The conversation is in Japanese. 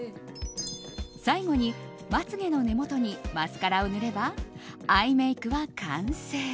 最後に、まつ毛の根元にマスカラを塗ればアイメイクは完成。